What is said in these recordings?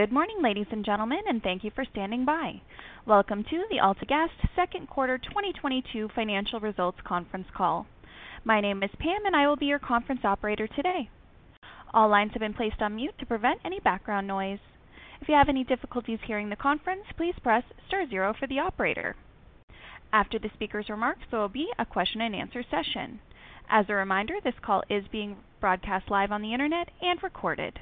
Good morning, ladies and gentlemen, and thank you for standing by. Welcome to the AltaGas Second Quarter 2022 Financial Results Conference Call. My name is Pam, and I will be your conference operator today. All lines have been placed on mute to prevent any background noise. If you have any difficulties hearing the conference, please press star zero for the operator. After the speaker's remarks, there will be a question-and-answer session. As a reminder, this call is being broadcast live on the Internet and recorded.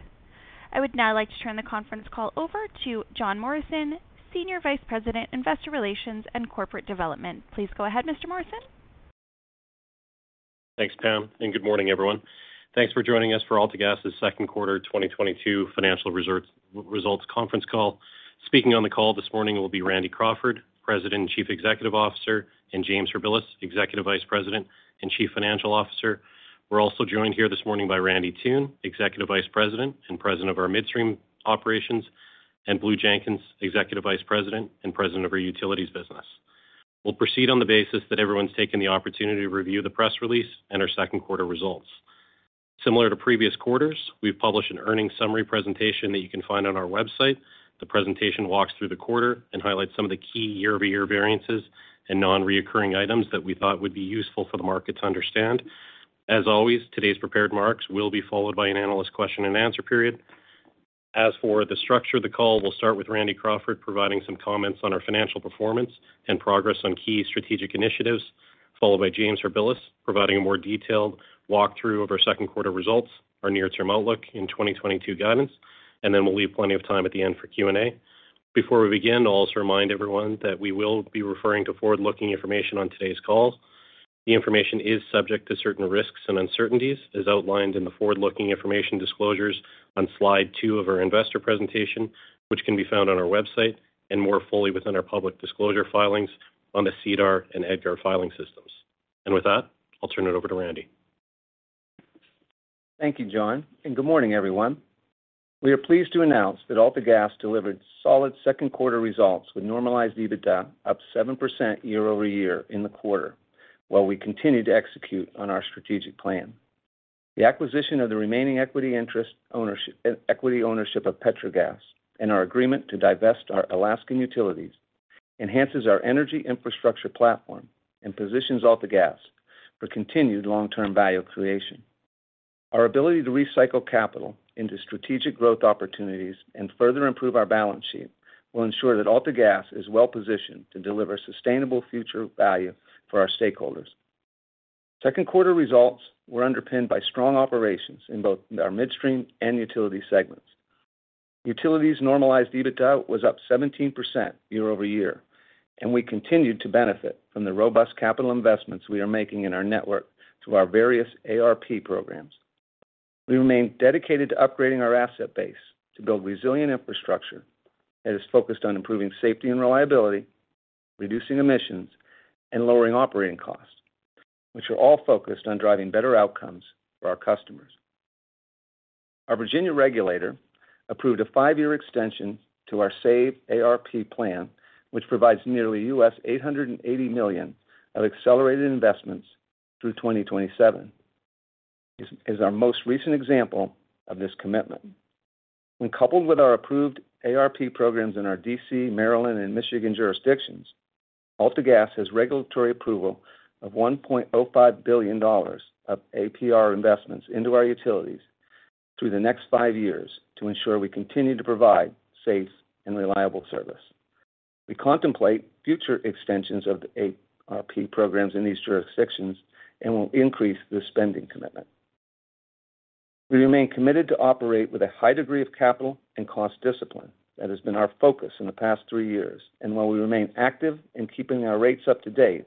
I would now like to turn the conference call over to Jon Morrison, Senior Vice President, Investor Relations and Corporate Development. Please go ahead, Mr. Morrison. Thanks, Pam, and good morning everyone. Thanks for joining us for AltaGas's second quarter 2022 financial results conference call. Speaking on the call this morning will be Randy Crawford, President and Chief Executive Officer, and James Harbilas, Executive Vice President and Chief Financial Officer. We're also joined here this morning by Randy Toone, Executive Vice President and President of our Midstream Operations, and Blue Jenkins, Executive Vice President and President of our Utilities business. We'll proceed on the basis that everyone's taken the opportunity to review the press release and our second quarter results. Similar to previous quarters, we've published an earnings summary presentation that you can find on our website. The presentation walks through the quarter and highlights some of the key year-over-year variances and non-recurring items that we thought would be useful for the market to understand. As always, today's prepared remarks will be followed by an analyst question-and-answer period. As for the structure of the call, we'll start with Randy Crawford providing some comments on our financial performance and progress on key strategic initiatives, followed by James Harbilas, providing a more detailed walkthrough of our second quarter results, our near-term outlook in 2022 guidance, and then we'll leave plenty of time at the end for Q&A. Before we begin, I'll also remind everyone that we will be referring to forward-looking information on today's call. The information is subject to certain risks and uncertainties, as outlined in the forward-looking information disclosures on Slide 2 of our investor presentation, which can be found on our website and more fully within our public disclosure filings on the SEDAR and EDGAR filing systems. With that, I'll turn it over to Randy. Thank you, Jon, and good morning, everyone. We are pleased to announce that AltaGas delivered solid second quarter results with normalized EBITDA up 7% year-over-year in the quarter, while we continue to execute on our strategic plan. The acquisition of the remaining equity ownership of Petrogas and our agreement to divest our Alaskan utilities enhances our energy infrastructure platform and positions AltaGas for continued long-term value creation. Our ability to recycle capital into strategic growth opportunities and further improve our balance sheet will ensure that AltaGas is well-positioned to deliver sustainable future value for our stakeholders. Second quarter results were underpinned by strong operations in both our midstream and utility segments. Utilities normalized EBITDA was up 17% year-over-year, and we continued to benefit from the robust capital investments we are making in our network through our various ARP programs. We remain dedicated to upgrading our asset base to build resilient infrastructure that is focused on improving safety and reliability, reducing emissions, and lowering operating costs, which are all focused on driving better outcomes for our customers. Our Virginia regulator approved a five year extension to our SAVE ARP plan, which provides nearly $880 million of accelerated investments through 2027. This is our most recent example of this commitment. When coupled with our approved ARP programs in our D.C., Maryland, and Michigan jurisdictions, AltaGas has regulatory approval of $1.05 billion of ARP investments into our utilities through the next five years to ensure we continue to provide safe and reliable service. We contemplate future extensions of the ARP programs in these jurisdictions and will increase the spending commitment. We remain committed to operate with a high degree of capital and cost discipline. That has been our focus in the past three years. While we remain active in keeping our rates up to date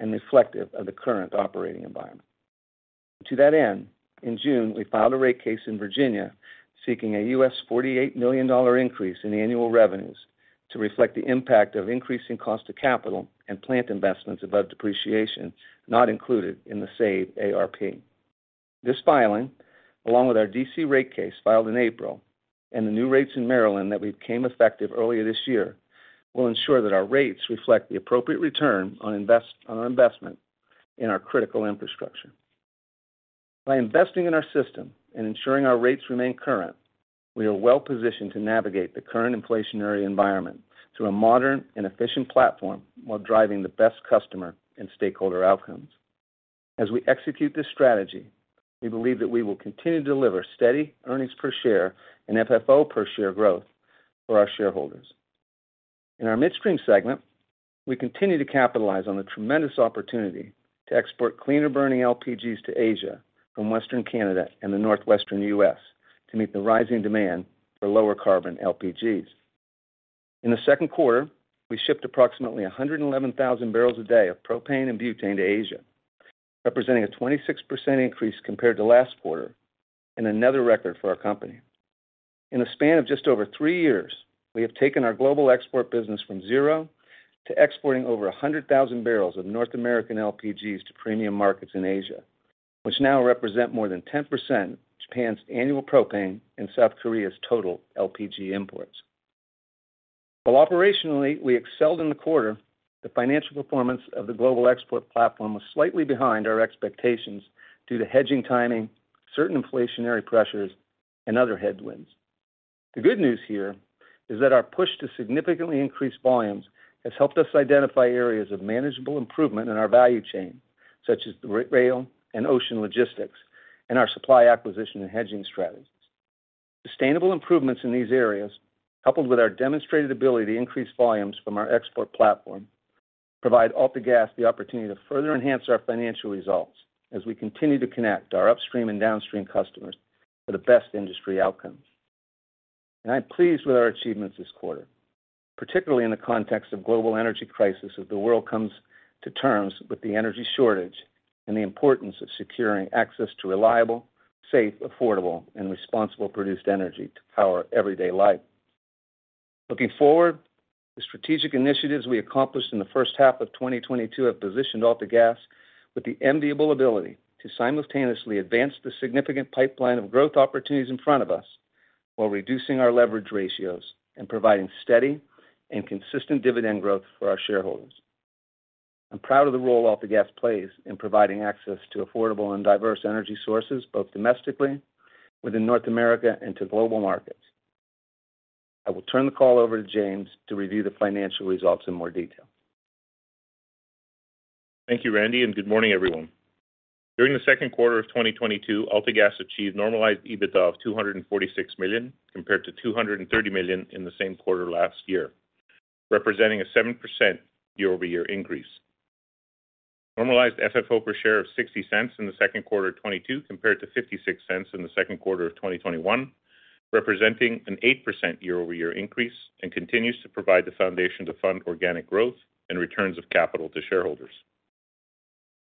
and reflective of the current operating environment, to that end, in June, we filed a rate case in Virginia seeking a $48 million increase in annual revenues to reflect the impact of increasing cost of capital and plant investments above depreciation, not included in the SAVE ARP. This filing, along with our D.C. rate case filed in April and the new rates in Maryland that became effective earlier this year, will ensure that our rates reflect the appropriate return on our investment in our critical infrastructure. By investing in our system and ensuring our rates remain current, we are well-positioned to navigate the current inflationary environment through a modern and efficient platform while driving the best customer and stakeholder outcomes. As we execute this strategy, we believe that we will continue to deliver steady earnings per share and FFO per share growth for our shareholders. In our midstream segment, we continue to capitalize on the tremendous opportunity to export cleaner burning LPGs to Asia from Western Canada and the Northwestern U.S. to meet the rising demand for lower carbon LPGs. In the second quarter, we shipped approximately 111,000 barrels a day of propane and butane to Asia, representing a 26% increase compared to last quarter and another record for our company. In a span of just over three years, we have taken our global export business from zero to exporting over 100,000 barrels of North American LPGs to premium markets in Asia, which now represent more than 10% of Japan's annual propane and South Korea's total LPG imports. Well, operationally, we excelled in the quarter. The financial performance of the global export platform was slightly behind our expectations due to hedging timing, certain inflationary pressures, and other headwinds. The good news here is that our push to significantly increase volumes has helped us identify areas of manageable improvement in our value chain, such as the rail and ocean logistics, and our supply acquisition and hedging strategies. Sustainable improvements in these areas, coupled with our demonstrated ability to increase volumes from our export platform, provide AltaGas the opportunity to further enhance our financial results as we continue to connect our upstream and downstream customers for the best industry outcomes. I'm pleased with our achievements this quarter, particularly in the context of global energy crisis as the world comes to terms with the energy shortage and the importance of securing access to reliable, safe, affordable, and responsible produced energy to power everyday life. Looking forward, the strategic initiatives we accomplished in the first half of 2022 have positioned AltaGas with the enviable ability to simultaneously advance the significant pipeline of growth opportunities in front of us while reducing our leverage ratios and providing steady and consistent dividend growth for our shareholders. I'm proud of the role AltaGas plays in providing access to affordable and diverse energy sources, both domestically, within North America, and to global markets. I will turn the call over to James to review the financial results in more detail. Thank you, Randy, and good morning, everyone. During the second quarter of 2022, AltaGas achieved normalized EBITDA of CAD 246 million compared to CAD 230 million in the same quarter last year, representing a 7% year-over-year increase. Normalized FFO per share of 0.60 in the second quarter of 2022 compared to 0.56 in the second quarter of 2021, representing an 8% year-over-year increase and continues to provide the foundation to fund organic growth and returns of capital to shareholders.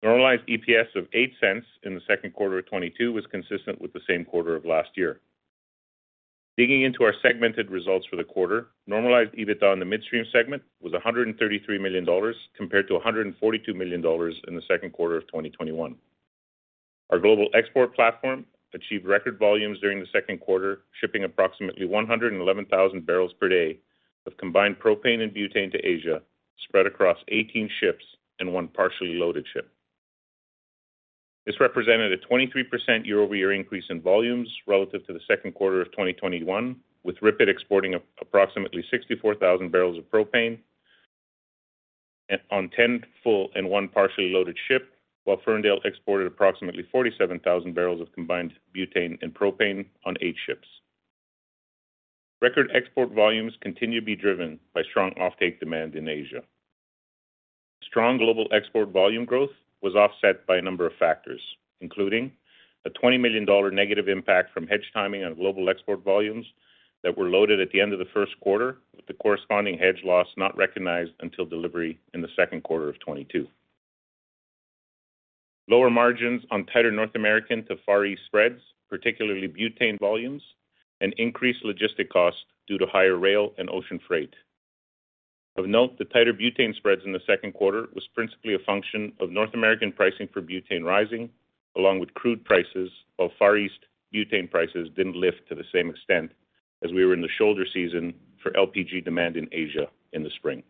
Normalized EPS of 0.08 in the second quarter of 2022 was consistent with the same quarter of last year. Digging into our segmented results for the quarter, normalized EBITDA in the midstream segment was 133 million dollars compared to 142 million dollars in the second quarter of 2021. Our global export platform achieved record volumes during the second quarter, shipping approximately 111,000 barrels per day of combined propane and butane to Asia, spread across 18 ships and one partially loaded ship. This represented a 23% year-over-year increase in volumes relative to the second quarter of 2021, with RIPET exporting approximately 64,000 barrels of propane on 10 full and one partially loaded ship, while Ferndale exported approximately 47,000 barrels of combined butane and propane on eight ships. Record export volumes continue to be driven by strong offtake demand in Asia. Strong global export volume growth was offset by a number of factors, including a 20 million dollar negative impact from hedge timing on global export volumes that were loaded at the end of the first quarter, with the corresponding hedge loss not recognized until delivery in the second quarter of 2022. Lower margins on tighter North American to Far East spreads, particularly butane volumes, and increased logistic costs due to higher rail and ocean freight. Of note, the tighter butane spreads in the second quarter was principally a function of North American pricing for butane rising along with crude prices, while Far East butane prices didn't lift to the same extent as we were in the shoulder season for LPG demand in Asia in the spring.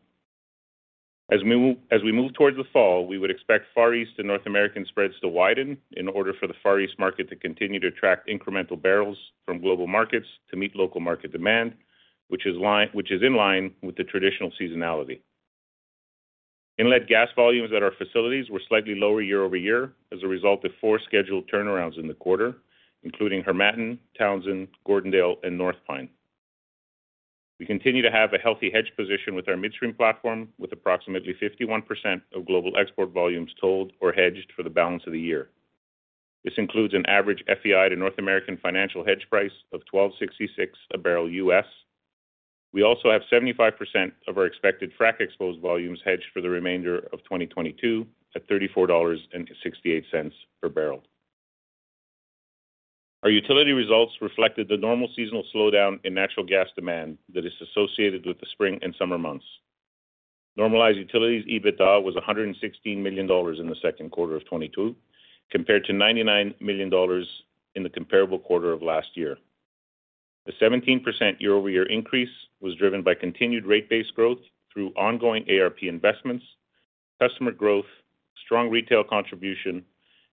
As we move towards the fall, we would expect Far East and North American spreads to widen in order for the Far East market to continue to attract incremental barrels from global markets to meet local market demand, which is in line with the traditional seasonality. Inlet gas volumes at our facilities were slightly lower year-over-year as a result of four scheduled turnarounds in the quarter, including Harmattan, Townsend, Gordondale, and North Pine. We continue to have a healthy hedge position with our midstream platform with approximately 51% of global export volumes sold or hedged for the balance of the year. This includes an average FEI to North American financial hedge price of $12.66 per barrel. We also have 75% of our expected frac-exposed volumes hedged for the remainder of 2022 at $34.68 per barrel. Our utility results reflected the normal seasonal slowdown in natural gas demand that is associated with the spring and summer months. Normalized utilities EBITDA was 116 million dollars in the second quarter of 2022 compared to 99 million dollars in the comparable quarter of last year. The 17% year-over-year increase was driven by continued rate-based growth through ongoing ARP investments, customer growth, strong retail contribution,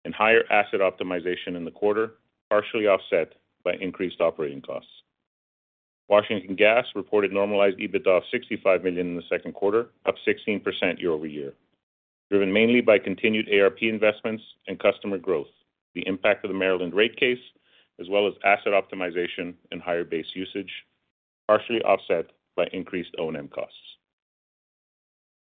and higher asset optimization in the quarter, partially offset by increased operating costs. Washington Gas reported normalized EBITDA of 65 million in the second quarter, up 16% year-over-year, driven mainly by continued ARP investments and customer growth, the impact of the Maryland rate case, as well as asset optimization and higher base usage, partially offset by increased O&M costs.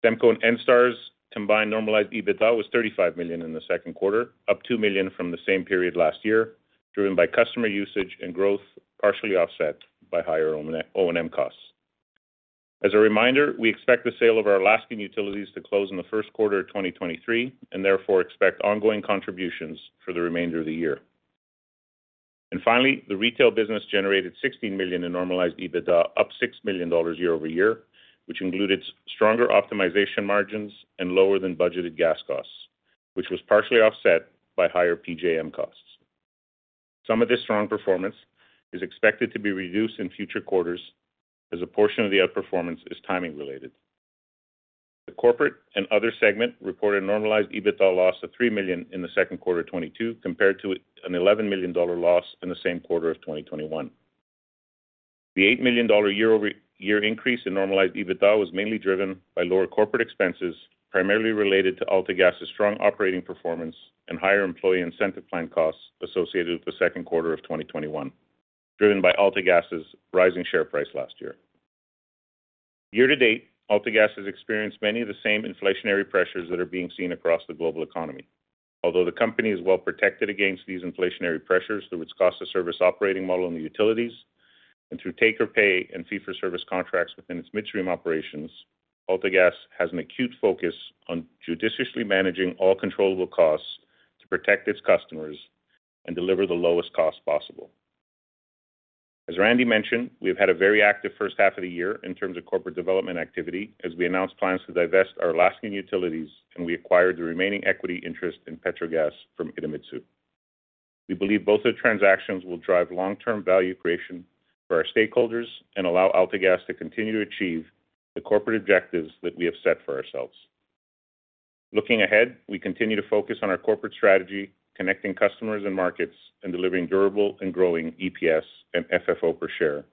SEMCO and ENSTAR's combined normalized EBITDA was 35 million in the second quarter, up 2 million from the same period last year, driven by customer usage and growth, partially offset by higher O&M costs. As a reminder, we expect the sale of our Alaskan utilities to close in the first quarter of 2023 and therefore expect ongoing contributions for the remainder of the year. Finally, the retail business generated 16 million in normalized EBITDA, up 6 million dollars year-over-year, which included stronger optimization margins and lower than budgeted gas costs, which was partially offset by higher PJM costs. Some of this strong performance is expected to be reduced in future quarters as a portion of the outperformance is timing related. The corporate and other segment reported normalized EBITDA loss of $3 million in the second quarter of 2022 compared to an $11 million loss in the same quarter of 2021. The $8 million year-over-year increase in normalized EBITDA was mainly driven by lower corporate expenses, primarily related to AltaGas's strong operating performance and higher employee incentive plan costs associated with the second quarter of 2021, driven by AltaGas's rising share price last year. Year-to-date, AltaGas has experienced many of the same inflationary pressures that are being seen across the global economy. Although the company is well protected against these inflationary pressures through its cost of service operating model in the utilities and through take-or-pay and fee-for-service contracts within its midstream operations, AltaGas has an acute focus on judiciously managing all controllable costs to protect its customers and deliver the lowest cost possible. As Randy mentioned, we have had a very active first half of the year in terms of corporate development activity as we announced plans to divest our Alaskan utilities, and we acquired the remaining equity interest in Petrogas from Idemitsu. We believe both the transactions will drive long-term value creation for our stakeholders and allow AltaGas to continue to achieve the corporate objectives that we have set for ourselves. Looking ahead, we continue to focus on our corporate strategy, connecting customers and markets, and delivering durable and growing EPS and FFO per share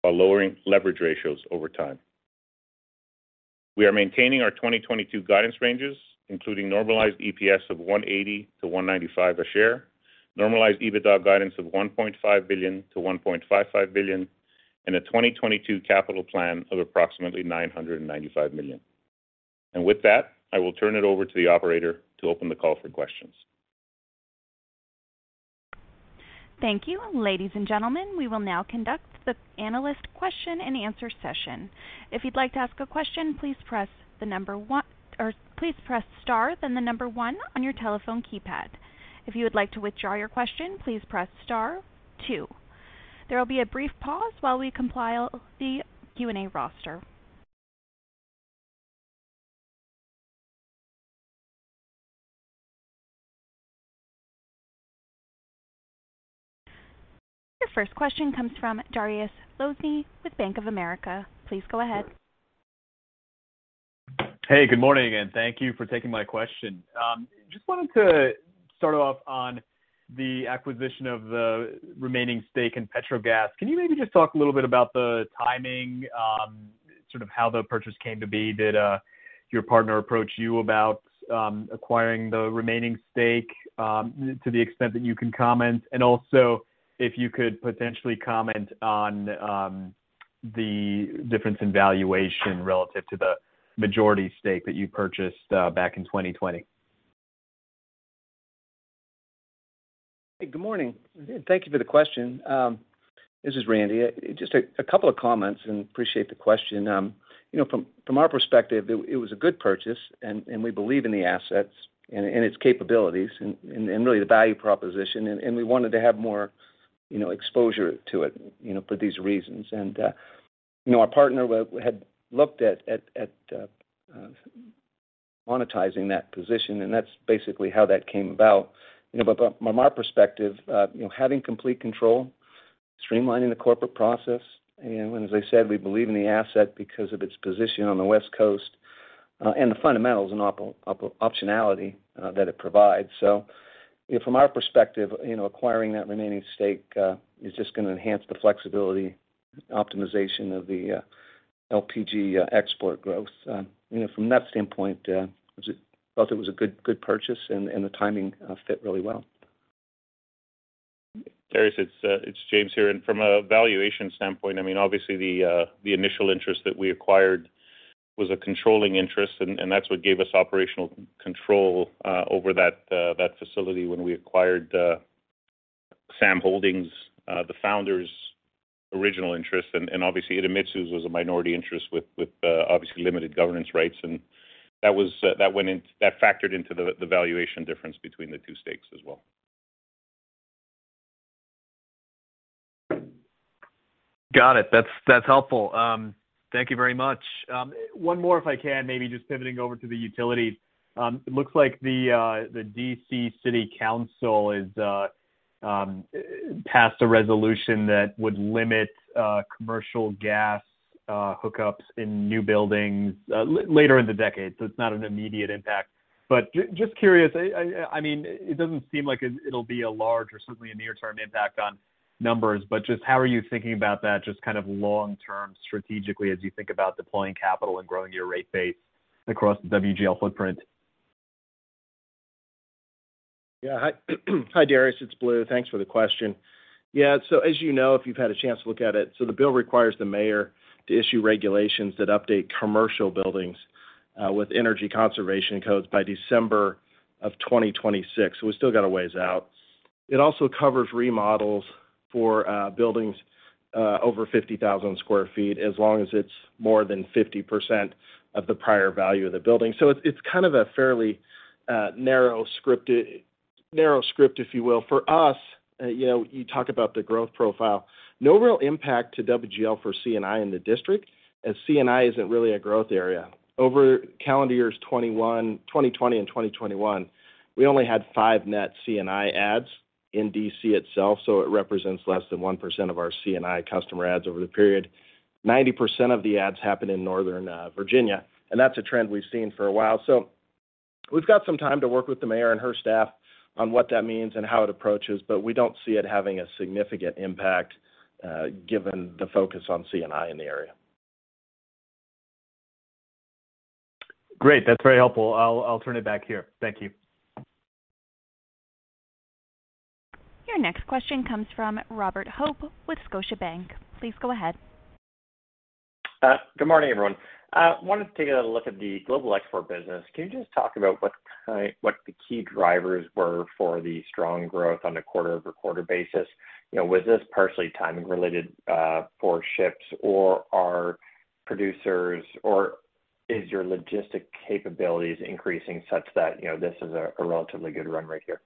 while lowering leverage ratios over time. We are maintaining our 2022 guidance ranges, including normalized EPS of 1.80-1.95 a share, normalized EBITDA guidance of 1.5 billion-1.55 billion, and a 2022 capital plan of approximately 995 million. With that, I will turn it over to the operator to open the call for questions. Thank you. Ladies and gentlemen, we will now conduct the analyst question-and-answer session. If you'd like to ask a question, please press the number one, or please press star, then the number one on your telephone keypad. If you would like to withdraw your question, please press Star two. There will be a brief pause while we compile the Q&A roster. Your first question comes from Dariusz Lozny with Bank of America. Please go ahead. Hey, good morning, and thank you for taking my question. Just wanted to start off on the acquisition of the remaining stake in Petrogas. Can you maybe just talk a little bit about the timing, sort of how the purchase came to be? Did your partner approach you about acquiring the remaining stake, to the extent that you can comment? Also if you could potentially comment on the difference in valuation relative to the majority stake that you purchased back in 2020. Hey, good morning. Thank you for the question. This is Randy. Just a couple of comments and appreciate the question. You know, from our perspective, it was a good purchase and we believe in the assets and its capabilities and really the value proposition and we wanted to have more, you know, exposure to it, you know, for these reasons. Our partner had looked at monetizing that position, and that's basically how that came about. You know, but from our perspective, you know, having complete control, streamlining the corporate process, and as I said, we believe in the asset because of its position on the West Coast and the fundamentals and optionality that it provides. You know, from our perspective, you know, acquiring that remaining stake is just gonna enhance the flexibility, optimization of the LPG export growth. You know, from that standpoint, it felt it was a good purchase and the timing fit really well. Dariusz, it's James here. From a valuation standpoint, I mean, obviously the initial interest that we acquired was a controlling interest and that's what gave us operational control over that facility when we acquired the SAM Holdings, the founder's original interest. Obviously Idemitsu's was a minority interest with obviously limited governance rights. That factored into the valuation difference between the two stakes as well. Got it. That's helpful. Thank you very much. One more if I can, maybe just pivoting over to the utility. It looks like the D.C. City Council has passed a resolution that would limit commercial gas hookups in new buildings later in the decade. It's not an immediate impact. But just curious, I mean, it doesn't seem like it'll be a large or certainly a near-term impact on numbers, but just how are you thinking about that just kind of long-term strategically as you think about deploying capital and growing your rate base across the WGL footprint? Yeah. Hi, Dariusz. It's Blue. Thanks for the question. Yeah. As you know, if you've had a chance to look at it, the bill requires the mayor to issue regulations that update commercial buildings with energy conservation codes by December of 2026. We still got a ways out. It also covers remodels for buildings over 50,000 sq ft, as long as it's more than 50% of the prior value of the building. It's kind of a fairly narrowly scripted. Narrow script, if you will. For us, you know, you talk about the growth profile. No real impact to WGL for C&I in the district, as C&I isn't really a growth area. Over calendar years 2020 and 2021, we only had 5 net C&I adds in D.C. itself, so it represents less than 1% of our C&I customer adds over the period. 90% of the adds happen in Northern Virginia, and that's a trend we've seen for a while. We've got some time to work with the mayor and her staff on what that means and how it approaches, but we don't see it having a significant impact, given the focus on C&I in the area. Great. That's very helpful. I'll turn it back here. Thank you. Your next question comes from Robert Hope with Scotiabank. Please go ahead. Good morning, everyone. I wanted to take a look at the global export business. Can you just talk about what the key drivers were for the strong growth on a quarter-over-quarter basis? You know, was this partially timing related for ships, or are producers or is your logistic capabilities increasing such that, you know, this is a relatively good run right here?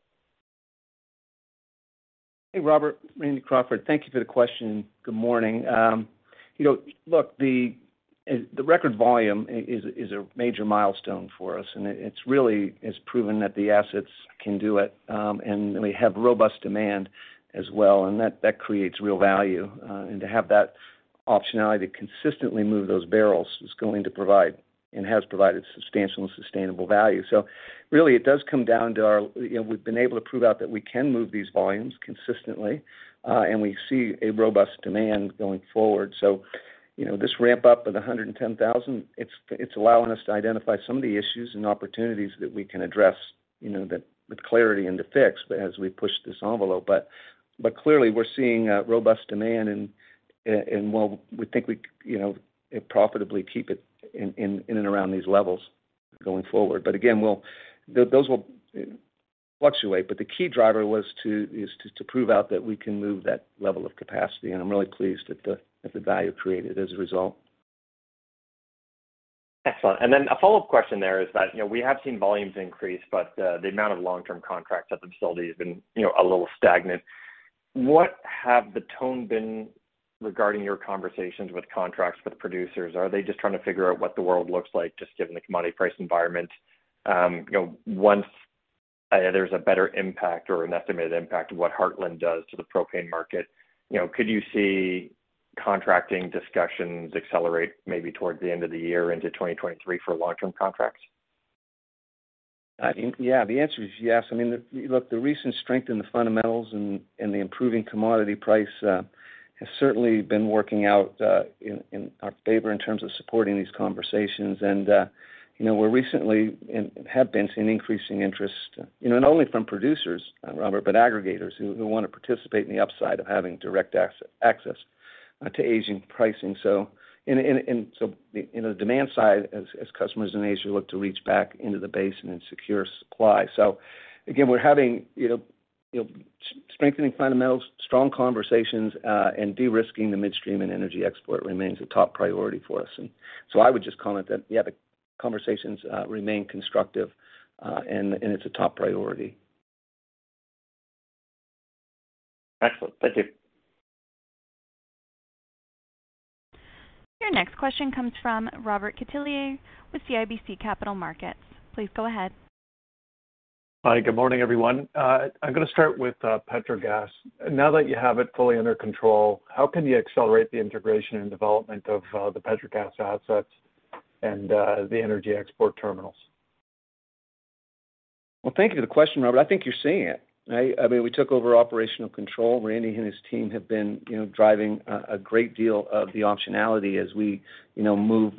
Hey, Robert. Randy Crawford. Thank you for the question. Good morning. You know, look, the record volume is a major milestone for us, and it's really proven that the assets can do it, and we have robust demand as well, and that creates real value. To have that optionality to consistently move those barrels is going to provide, and has provided substantial and sustainable value. Really it does come down to our, you know, we've been able to prove out that we can move these volumes consistently, and we see a robust demand going forward. You know, this ramp-up of the 110,000, it's allowing us to identify some of the issues and opportunities that we can address, you know, that with clarity and to fix as we push this envelope. Clearly, we're seeing robust demand and while we think, you know, profitably keep it in and around these levels going forward. Again, those will fluctuate. The key driver is to prove out that we can move that level of capacity. I'm really pleased at the value created as a result. Excellent. A follow-up question there is that, you know, we have seen volumes increase, but the amount of long-term contracts at the facility has been, you know, a little stagnant. What has the tone been regarding your conversations on contracts with producers? Are they just trying to figure out what the world looks like just given the commodity price environment? You know, once there's a better impact or an estimated impact of what Heartland does to the propane market, you know, could you see contracting discussions accelerate maybe towards the end of the year into 2023 for long-term contracts? I think, yeah. The answer is yes. I mean, look, the recent strength in the fundamentals and the improving commodity price has certainly been working out in our favor in terms of supporting these conversations. You know, we recently have been seeing increasing interest, you know, not only from producers, Robert, but aggregators who wanna participate in the upside of having direct access to Asian pricing. In the demand side, as customers in Asia look to reach back into the basin and then secure supply. Again, we're having, you know, strengthening fundamentals, strong conversations, and de-risking the midstream and energy export remains a top priority for us. I would just comment that, yeah, the conversations remain constructive, and it's a top priority. Excellent. Thank you. Your next question comes from Robert Catellier with CIBC Capital Markets. Please go ahead. Hi. Good morning, everyone. I'm gonna start with Petrogas. Now that you have it fully under control, how can you accelerate the integration and development of the Petrogas assets and the energy export terminals? Well, thank you for the question, Robert. I think you're seeing it, right? I mean, we took over operational control. Randy and his team have been, you know, driving a great deal of the optionality as we, you know, move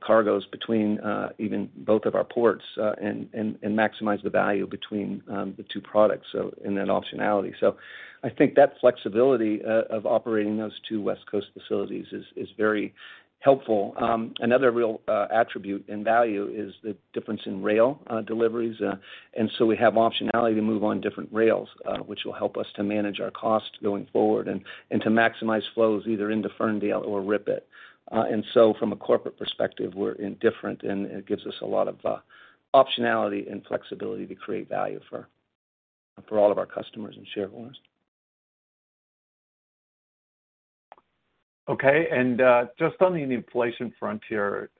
cargoes between even both of our ports, and maximize the value between the two products, so in that optionality. I think that flexibility of operating those two West Coast facilities is very helpful. Another real attribute and value is the difference in rail deliveries. We have optionality to move on different rails, which will help us to manage our cost going forward and to maximize flows either into Ferndale or RIPET. From a corporate perspective, we're indifferent, and it gives us a lot of optionality and flexibility to create value for all of our customers and shareholders. Okay. Just on the inflation frontier,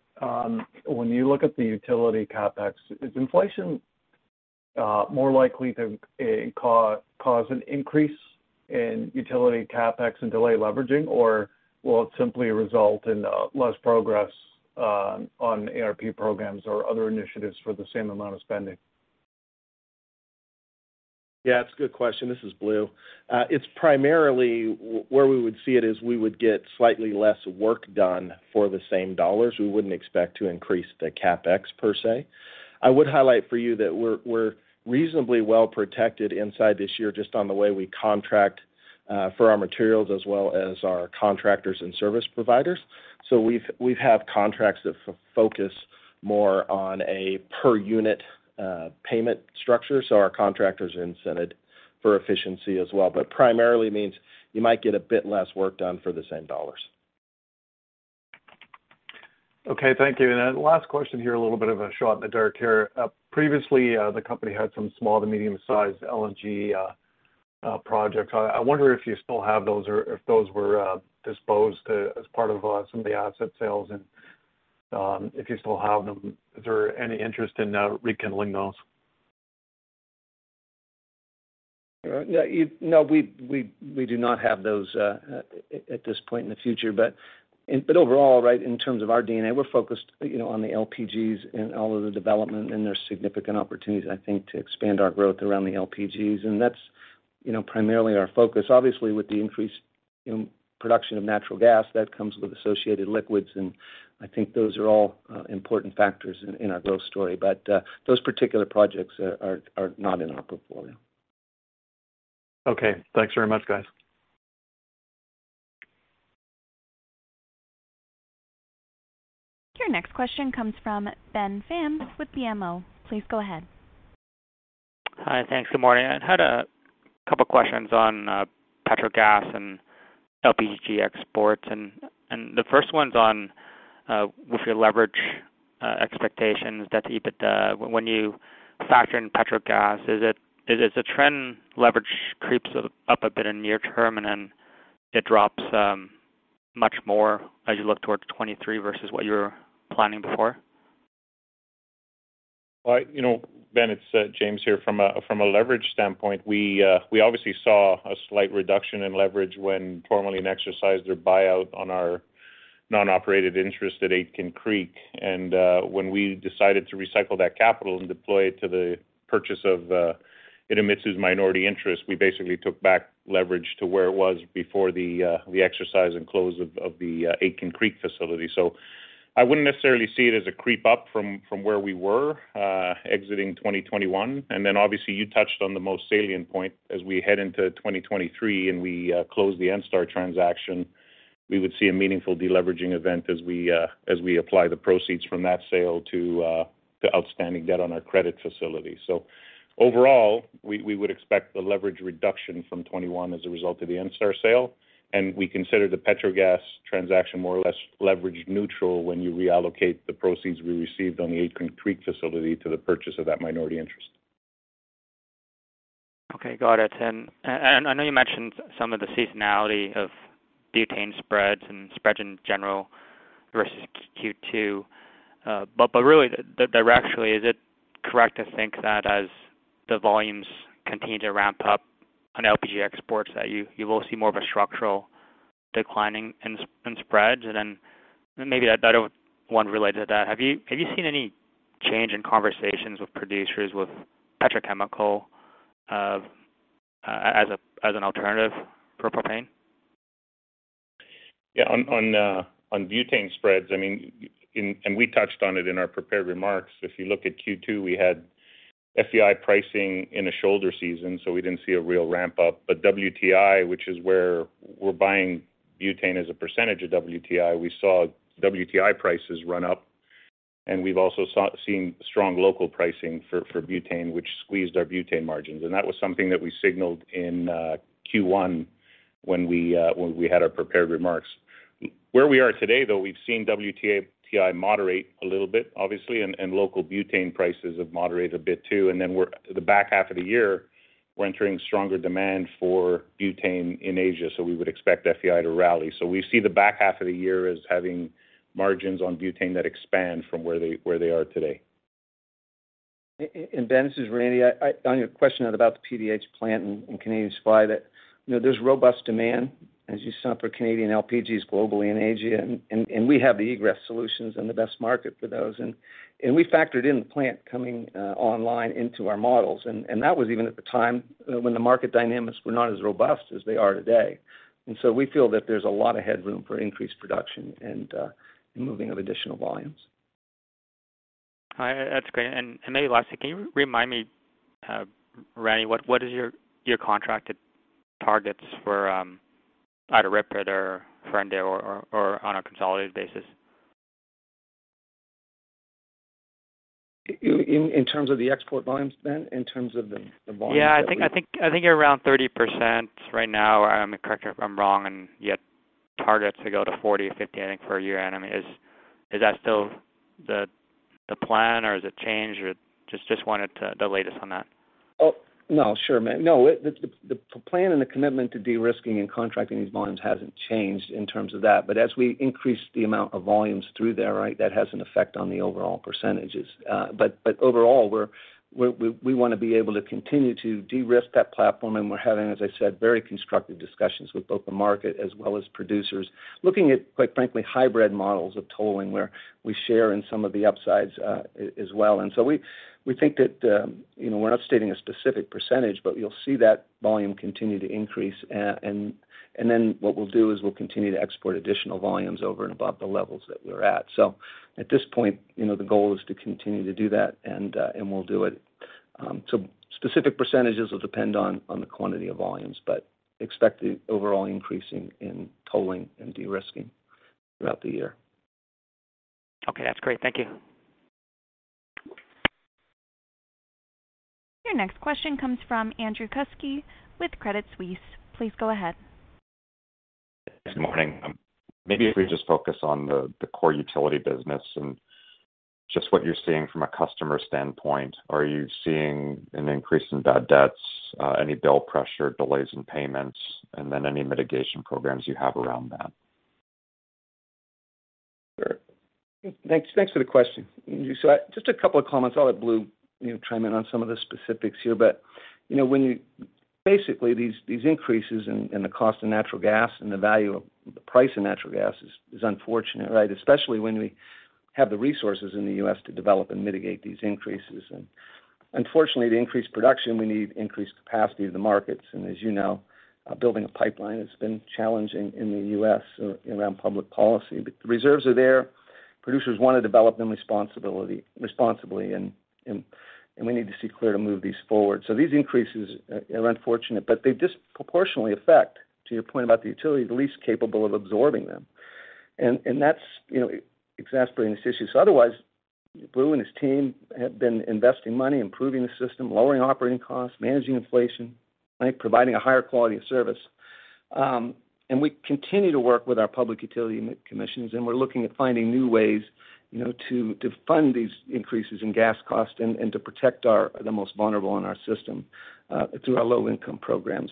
when you look at the utility CapEx, is inflation more likely to cause an increase in utility CapEx and delay leveraging, or will it simply result in less progress on ARP programs or other initiatives for the same amount of spending? Yeah, it's a good question. This is Blue. It's primarily where we would see it is we would get slightly less work done for the same dollars. We wouldn't expect to increase the CapEx per se. I would highlight for you that we're reasonably well protected inside this year just on the way we contract for our materials as well as our contractors and service providers. So we've had contracts that focus more on a per unit payment structure, so our contractors are incented for efficiency as well. Primarily means you might get a bit less work done for the same dollars. Okay. Thank you. Then last question here, a little bit of a shot in the dark here. Previously, the company had some small to medium-sized LNG projects. I wonder if you still have those or if those were disposed of as part of some of the asset sales? If you still have them, is there any interest in rekindling those? No, we do not have those at this point in the future. Overall, right, in terms of our DNA, we're focused, you know, on the LPGs and all of the development, and there's significant opportunities, I think, to expand our growth around the LPGs. That's, you know, primarily our focus. Obviously, with the increase in production of natural gas, that comes with associated liquids, and I think those are all important factors in our growth story. Those particular projects are not in our portfolio. Okay. Thanks very much, guys. Your next question comes from Ben Pham with BMO. Please go ahead. Hi. Thanks. Good morning. I had a couple questions on Petrogas and LPG exports. The first one's on your leverage expectations that EBITDA, when you factor in Petrogas, is the trend leverage creeps up a bit in near term and then it drops much more as you look toward 2023 versus what you were planning before? Well, you know, Ben, it's James here. From a leverage standpoint, we obviously saw a slight reduction in leverage when Pembina had exercised their buyout on our non-operated interest at Aitken Creek. When we decided to recycle that capital and deploy it to the purchase of Idemitsu's minority interest, we basically took back leverage to where it was before the exercise and close of the Aitken Creek facility. I wouldn't necessarily see it as a creep up from where we were exiting 2021. Obviously you touched on the most salient point as we head into 2023, and we close the ENSTAR transaction, we would see a meaningful deleveraging event as we apply the proceeds from that sale to outstanding debt on our credit facility. Overall, we would expect the leverage reduction from 2021 as a result of the ENSTAR sale, and we consider the Petrogas transaction more or less leverage neutral when you reallocate the proceeds we received on the Aitken Creek facility to the purchase of that minority interest. Okay. Got it. I know you mentioned some of the seasonality of butane spreads and spreads in general versus Q2. But really directionally, is it correct to think that as the volumes continue to ramp up on LPG exports, that you will see more of a structural declining in spreads? Then maybe one related to that. Have you seen any change in conversations with producers, with petrochemical as an alternative for propane? Yeah. On butane spreads, I mean, we touched on it in our prepared remarks. If you look at Q2, we had FEI pricing in a shoulder season, so we didn't see a real ramp up. WTI, which is where we're buying butane as a percentage of WTI, we saw WTI prices run up, and we've also seen strong local pricing for butane, which squeezed our butane margins. That was something that we signaled in Q1 when we had our prepared remarks. Where we are today, though, we've seen WTI moderate a little bit, obviously, and local butane prices have moderated a bit too. The back half of the year, we're entering stronger demand for butane in Asia, so we would expect FEI to rally. We see the back half of the year as having margins on butane that expand from where they are today. Ben, this is Randy. On your question about the PDH plant in Canada, and that's why, you know, there's robust demand as you saw for Canadian LPGs globally in Asia, and we have the egress solutions and the best market for those. We factored in the plant coming online into our models. That was even at the time when the market dynamics were not as robust as they are today. We feel that there's a lot of headroom for increased production and moving of additional volumes. All right. That's great. Maybe lastly, can you remind me, Randy, what is your contracted targets for either Ridley or Ferndale or on a consolidated basis? In terms of the export volumes, Ben? Yeah. I think you're around 30% right now, and correct me if I'm wrong, and you have targets to go to 40% or 50%, I think, per year. I mean, is that still the plan or has it changed? Just wanted the latest on that. Oh, no. Sure, Ben. No. The plan and the commitment to de-risking and contracting these volumes hasn't changed in terms of that. As we increase the amount of volumes through there, right? That has an effect on the overall percentages. Overall we wanna be able to continue to de-risk that platform and we're having, as I said, very constructive discussions with both the market as well as producers looking at, quite frankly, hybrid models of tolling where we share in some of the upsides, as well. We think that, you know, we're not stating a specific percentage, but you'll see that volume continue to increase. What we'll do is we'll continue to export additional volumes over and above the levels that we're at. At this point, you know, the goal is to continue to do that and we'll do it. Specific percentages will depend on the quantity of volumes, but expect the overall increase in tolling and de-risking throughout the year. Okay. That's great. Thank you. Your next question comes from Andrew Kuske with Credit Suisse. Please go ahead. Good morning. Maybe if we just focus on the core utility business and just what you're seeing from a customer standpoint. Are you seeing an increase in bad debts, any bill pressure, delays in payments, and then any mitigation programs you have around that? Thanks for the question. Just a couple of comments. I'll let Blue, you know, chime in on some of the specifics here. You know, basically these increases in the cost of natural gas and the value of the price of natural gas is unfortunate, right? Especially when we have the resources in the U.S. to develop and mitigate these increases. Unfortunately, to increase production, we need increased capacity of the markets. As you know, building a pipeline has been challenging in the U.S. around public policy. The reserves are there. Producers want to develop them responsibly and we need to see clear to move these forward. These increases are unfortunate, but they disproportionately affect, to your point about the utility, the least capable of absorbing them. That's, you know, exacerbating this issue. Otherwise, Blue and his team have been investing money, improving the system, lowering operating costs, managing inflation, right, providing a higher quality of service. We continue to work with our public utility commissions, and we're looking at finding new ways, you know, to fund these increases in gas costs and to protect the most vulnerable in our system through our low-income program.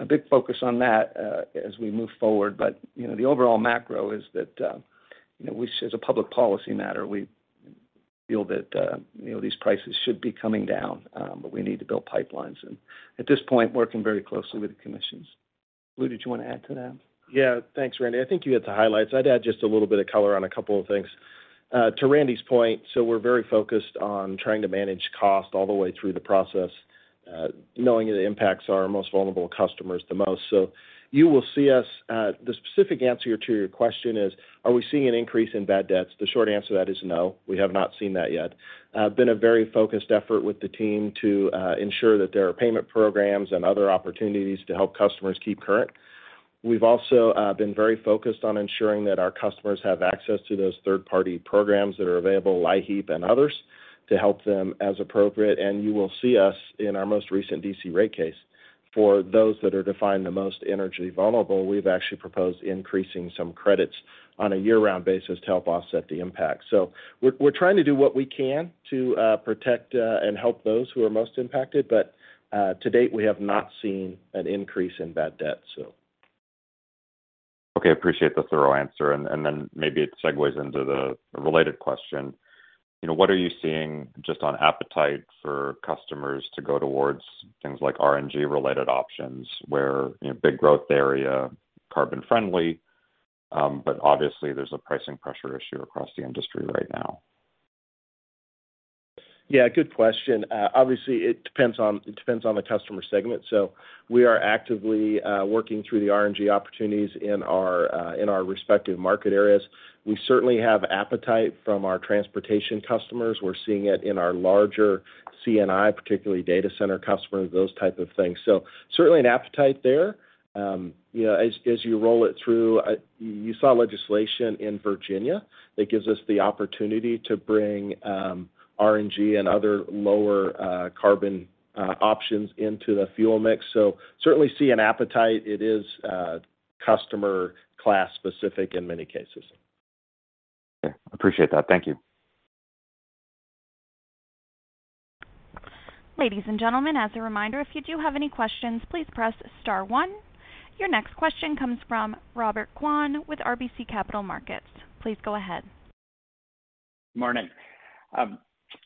A big focus on that as we move forward. You know, the overall macro is that, you know, we as a public policy matter, we feel that, you know, these prices should be coming down, but we need to build pipelines and at this point, working very closely with the commissions. Blue, did you want to add to that? Yeah. Thanks, Randy. I think you hit the highlights. I'd add just a little bit of color on a couple of things. To Randy's point, we're very focused on trying to manage cost all the way through the process, knowing it impacts our most vulnerable customers the most. You will see us, the specific answer to your question is, are we seeing an increase in bad debts? The short answer to that is no, we have not seen that yet. Been a very focused effort with the team to ensure that there are payment programs and other opportunities to help customers keep current. We've also been very focused on ensuring that our customers have access to those third-party programs that are available, LIHEAP and others, to help them as appropriate. You will see us in our most recent D.C. rate case. For those that are defined the most energy vulnerable, we've actually proposed increasing some credits on a year-round basis to help offset the impact. We're trying to do what we can to protect and help those who are most impacted. To date, we have not seen an increase in bad debt. Okay. Appreciate the thorough answer, and then maybe it segues into the related question. You know, what are you seeing just on appetite for customers to go towards things like RNG-related options where, you know, big growth area, carbon friendly, but obviously there's a pricing pressure issue across the industry right now. Yeah, good question. Obviously, it depends on the customer segment. We are actively working through the RNG opportunities in our respective market areas. We certainly have appetite from our transportation customers. We're seeing it in our larger C&I, particularly data center customers, those type of things. Certainly an appetite there. You know, as you roll it through, you saw legislation in Virginia that gives us the opportunity to bring RNG and other lower carbon options into the fuel mix. Certainly see an appetite. It is customer class specific in many cases. Okay. Appreciate that. Thank you. Ladies and gentlemen, as a reminder, if you do have any questions, please press star one. Your next question comes from Robert Kwan with RBC Capital Markets. Please go ahead. Morning.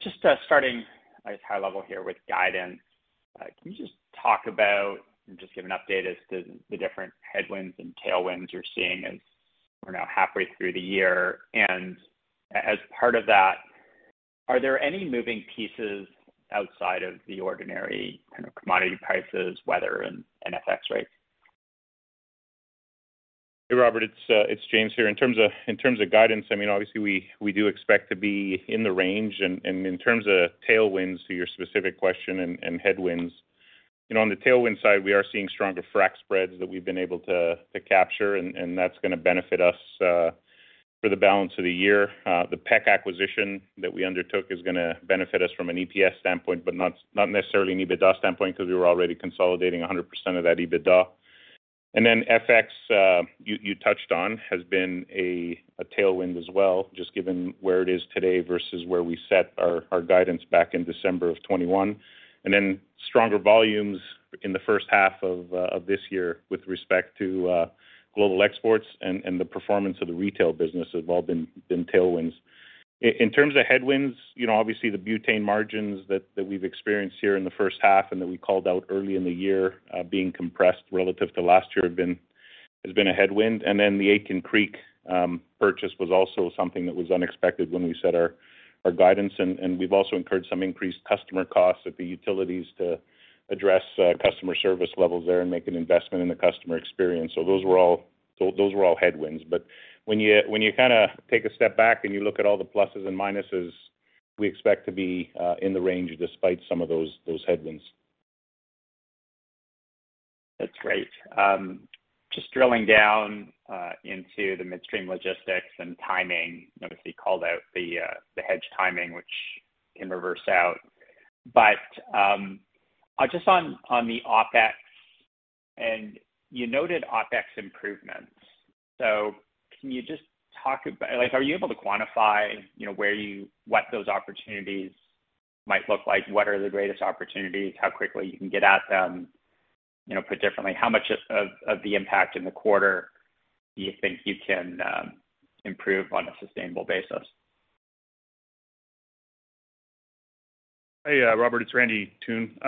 Just starting at a high level here with guidance, can you just talk about and just give an update as to the different headwinds and tailwinds you're seeing as we're now halfway through the year? As part of that, are there any moving pieces outside of the ordinary kind of commodity prices, weather and FX rates? Hey, Robert, it's James here. In terms of guidance, I mean, obviously we do expect to be in the range. In terms of tailwinds, to your specific question and headwinds, you know, on the tailwind side, we are seeing stronger frac spreads that we've been able to capture, and that's gonna benefit us for the balance of the year. The Petrogas acquisition that we undertook is gonna benefit us from an EPS standpoint, but not necessarily an EBITDA standpoint because we were already consolidating 100% of that EBITDA. FX, you touched on, has been a tailwind as well, just given where it is today versus where we set our guidance back in December of 2021. Stronger volumes in the first half of this year with respect to global exports and the performance of the retail business have all been tailwinds. In terms of headwinds, you know, obviously the butane margins that we've experienced here in the first half and that we called out early in the year being compressed relative to last year has been a headwind. The Aitken Creek purchase was also something that was unexpected when we set our guidance. We've also incurred some increased customer costs at the utilities to address customer service levels there and make an investment in the customer experience. Those were all headwinds. When you kinda take a step back and you look at all the pluses and minuses, we expect to be in the range despite some of those headwinds. That's great. Just drilling down into the midstream logistics and timing. Notice you called out the hedge timing, which can reverse out. Just on the OpEx, and you noted OpEx improvements. Can you just talk about like, are you able to quantify, you know, where what those opportunities might look like? What are the greatest opportunities, how quickly you can get at them? You know, put differently, how much of the impact in the quarter do you think you can improve on a sustainable basis? Hey, Robert, it's Randy Toone.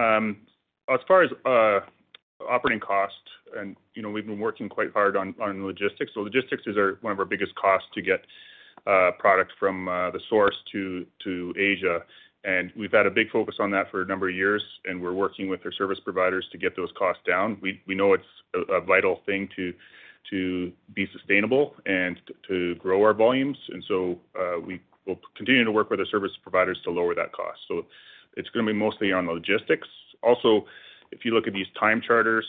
As far as operating costs, you know, we've been working quite hard on logistics. Logistics is one of our biggest costs to get products from the source to Asia. We've had a big focus on that for a number of years, and we're working with our service providers to get those costs down. We know it's a vital thing to be sustainable and to grow our volumes. We will continue to work with our service providers to lower that cost. It's gonna be mostly on logistics. Also, if you look at these time charters,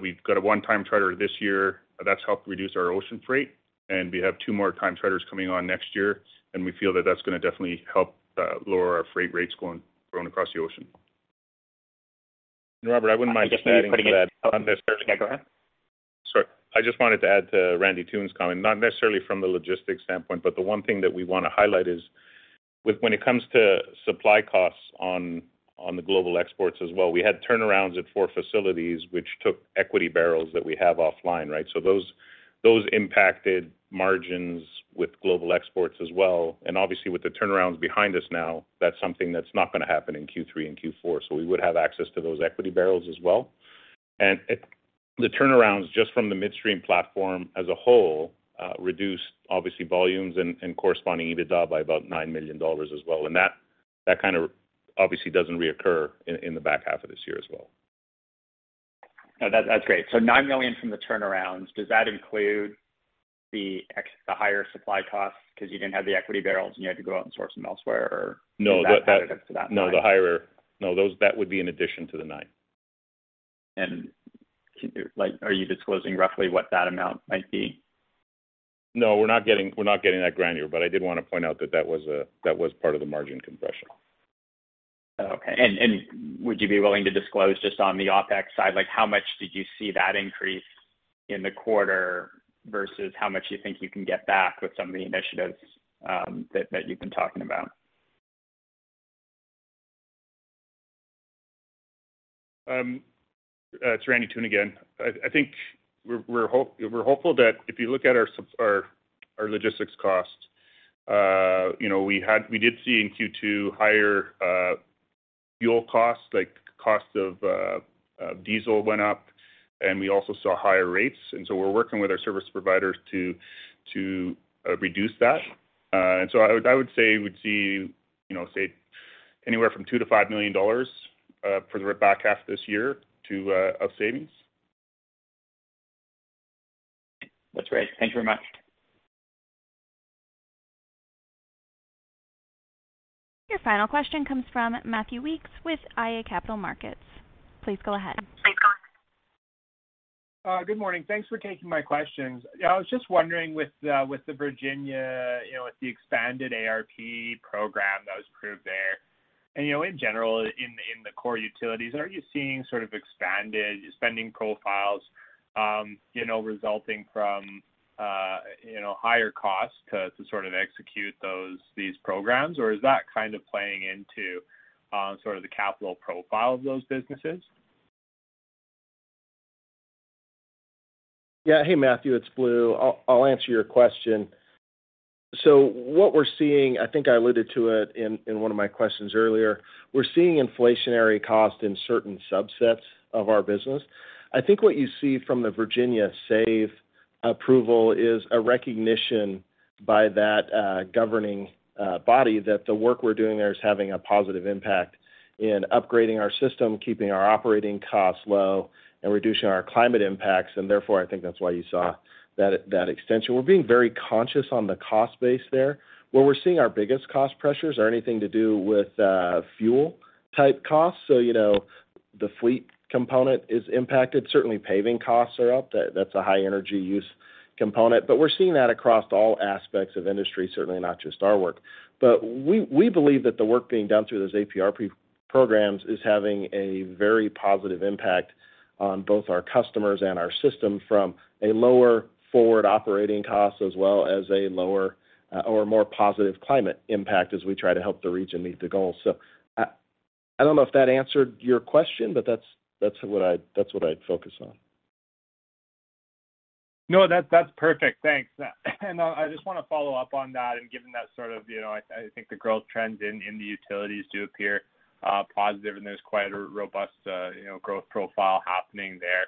we've got a one-time charter this year that's helped reduce our ocean freight, and we have two more time charters coming on next year. We feel that that's gonna definitely help lower our freight rates going across the ocean. Robert, I wouldn't mind just adding to that, not necessarily. Go ahead. Sorry. I just wanted to add to Randy Toone's comment, not necessarily from the logistics standpoint, but the one thing that we wanna highlight is with when it comes to supply costs on the global exports as well, we had turnarounds at four facilities which took equity barrels that we have offline, right? Those impacted margins with global exports as well. Obviously, with the turnarounds behind us now, that's something that's not gonna happen in Q3 and Q4. We would have access to those equity barrels as well. The turnarounds, just from the midstream platform as a whole, reduced obviously volumes and corresponding EBITDA by about $9 million as well. That kind of obviously doesn't reoccur in the back half of this year as well. No, that's great. 9 million from the turnarounds. Does that include the higher supply costs because you didn't have the equity barrels and you had to go out and source them elsewhere or? No, that. Is that additive to that nine? No, those. That would be in addition to the nine. Like, are you disclosing roughly what that amount might be? No, we're not getting that granular. I did wanna point out that was part of the margin compression. Okay. Would you be willing to disclose just on the OpEx side, like how much did you see that increase in the quarter versus how much you think you can get back with some of the initiatives, that you've been talking about? It's Randy Toone again. I think we're hopeful that if you look at our logistics costs, you know, we did see in Q2 higher fuel costs, like costs of diesel went up and we also saw higher rates. We're working with our service providers to reduce that. I would say we'd see, you know, say anywhere from 2 million-5 million dollars for the back half of this year of savings. That's great. Thank you very much. Your final question comes from Matthew Weekes with iA Capital Markets. Please go ahead. Good morning. Thanks for taking my questions. I was just wondering with the Virginia, you know, with the expanded ARP program that was approved there, and, you know, in the core utilities, are you seeing sort of expanded spending profiles, you know, resulting from, you know, higher costs to sort of execute these programs? Or is that kind of playing into sort of the capital profile of those businesses? Hey, Matthew, it's Blue. I'll answer your question. What we're seeing, I think I alluded to it in one of my questions earlier, we're seeing inflationary costs in certain subsets of our business. I think what you see from the Virginia SAVE approval is a recognition by that governing body that the work we're doing there is having a positive impact in upgrading our system, keeping our operating costs low and reducing our climate impacts. Therefore, I think that's why you saw that extension. We're being very conscious on the cost base there. Where we're seeing our biggest cost pressures are anything to do with fuel-type costs. You know, the fleet component is impacted. Certainly, paving costs are up. That's a high energy use component. We're seeing that across all aspects of industry, certainly not just our work. We believe that the work being done through those APRP programs is having a very positive impact on both our customers and our system from a lower forward operating cost as well as a lower or more positive climate impact as we try to help the region meet the goals. I don't know if that answered your question, but that's what I'd focus on. No, that's perfect. Thanks. I just wanna follow up on that. Given that sort of, you know, I think the growth trends in the utilities do appear positive, and there's quite a robust, you know, growth profile happening there.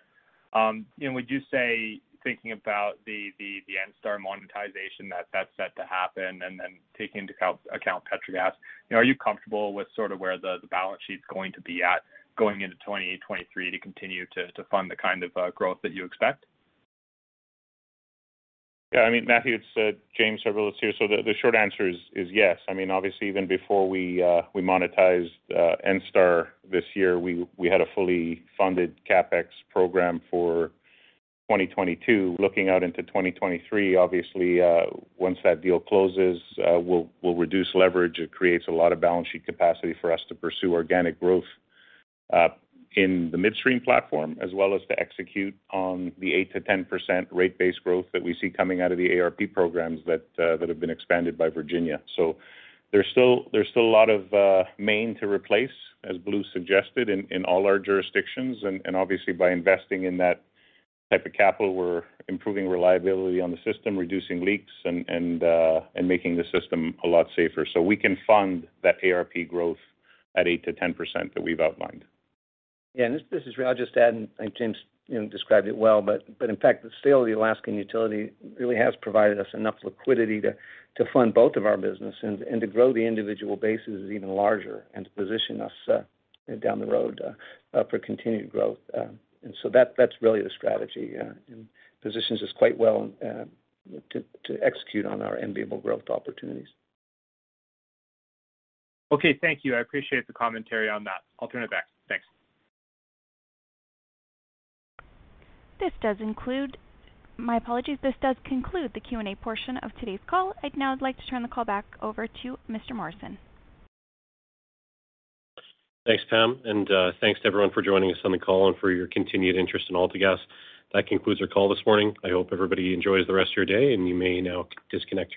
Would you say thinking about the ENSTAR monetization that's set to happen and taking into account Petrogas, you know, are you comfortable with sort of where the balance sheet's going to be at going into 2023 to 2028 to continue to fund the kind of growth that you expect? Yeah. I mean, Matthew, it's James Harbilas here. The short answer is yes. I mean, obviously, even before we monetized ENSTAR this year, we had a fully funded CapEx program for 2022. Looking out into 2023, obviously, once that deal closes, we'll reduce leverage. It creates a lot of balance sheet capacity for us to pursue organic growth in the midstream platform, as well as to execute on the 8%-10% rate base growth that we see coming out of the ARP programs that have been expanded by Virginia. There's still a lot of mains to replace, as Blue suggested, in all our jurisdictions. Obviously, by investing in that type of capital, we're improving reliability on the system, reducing leaks and making the system a lot safer. We can fund that ARP growth at 8%-10% that we've outlined. Yeah. This is Randy. I'll just add, I think James, you know, described it well, but in fact, the sale of the Alaskan utility really has provided us enough liquidity to fund both of our businesses and to grow the individual bases even larger and to position us down the road for continued growth. That's really the strategy, and positions us quite well to execute on our enviable growth opportunities. Okay. Thank you. I appreciate the commentary on that. I'll turn it back. Thanks. My apologies. This does conclude the Q&A portion of today's call. I'd now like to turn the call back over to Mr. Morrison. Thanks, Pam. Thanks to everyone for joining us on the call and for your continued interest in AltaGas. That concludes our call this morning. I hope everybody enjoys the rest of your day, and you may now disconnect your lines.